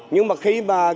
nhưng mà khi mà